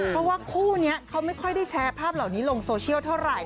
เพราะว่าคู่นี้เขาไม่ค่อยได้แชร์ภาพเหล่านี้ลงโซเชียลเท่าไหร่